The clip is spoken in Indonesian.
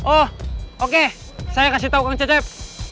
oh oke saya kasih tau kang jejeb